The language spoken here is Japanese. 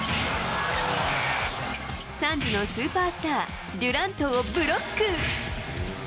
サンズのスーパースター、デュラントをブロック。